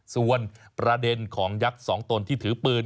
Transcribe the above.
ส่วนประเด็นของยักษ์สองตนที่ถือปืน